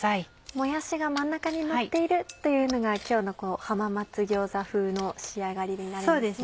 もやしが真ん中にのっているというのが今日の浜松餃子風の仕上がりになるんですね。